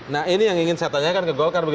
nah ini yang ingin saya tanyakan ke golkar